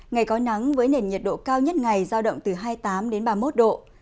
ngày có nắng với nền nhiệt độ cao nhất ngày giao động từ hai mươi tám đến ba mươi một độ